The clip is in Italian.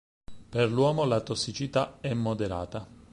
Per l'uomo la tossicità è moderata.